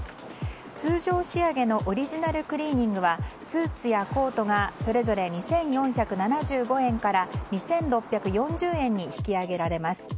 通常仕上げのオリジナルクリーニングはスーツやコートがそれぞれ２４７５円から２６４０円に引き上げられます。